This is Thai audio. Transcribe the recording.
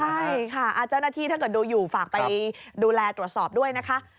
ใช่ค่ะเจ้าหน้าที่ถ้าเกิดดูอยู่ฝากไปดูแลตรวจสอบด้วยนะคะ